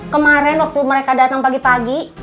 kemarin waktu mereka datang pagi pagi